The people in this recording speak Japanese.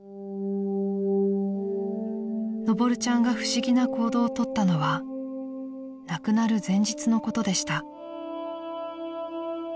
［のぼるちゃんが不思議な行動をとったのは亡くなる前日のことでした］